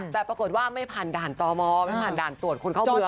แต่ปรากฏว่าไม่ผ่านด่านตมไม่ผ่านด่านตรวจคนเข้าเมือง